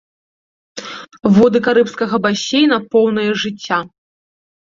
Воды карыбскага басейна поўныя жыцця.